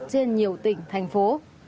trên nhiều tỉnh thành phố